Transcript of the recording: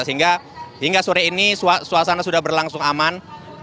sehingga hingga sore ini suasana sudah berlangsung aman